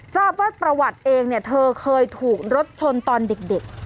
ทราบว่าประวัติเองเนี่ยเธอเคยถูกรถชนตอนเด็ก